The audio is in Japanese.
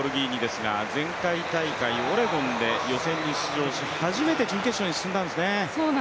このランボルギーニですが、前回大会オレゴンで予選に出場し、初めて準決勝に進んだんですね。